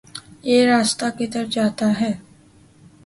یہ راستہ کدھر جاتا ہے